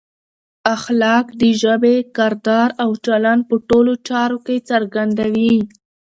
اخلاق د ژبې، کردار او چلند په ټولو چارو کې څرګندوي.